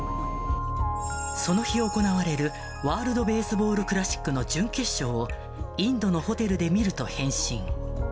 その日、行われるワールドベースボールクラシックの準決勝をインドのホテルで見ると返信。